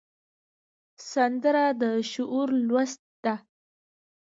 سندره د شعور لوست ده